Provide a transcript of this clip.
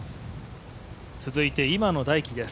続いて今野大喜です。